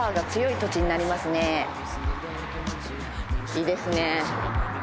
いいですね。